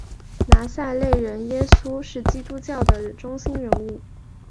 拿撒勒人耶稣是基督教的中心人物。